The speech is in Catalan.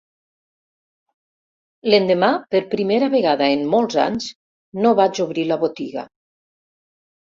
L'endemà, per primera vegada en molts anys, no vaig obrir la botiga.